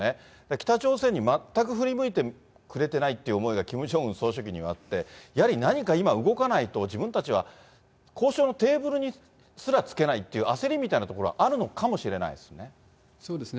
北朝鮮に全く振り向いてくれてないという思いが、キム・ジョンウン総書記にはあって、やはり何か今、動かないと自分たちは、交渉のテーブルにすらつけないという、焦りみたいなところがあるのかもしれないですね。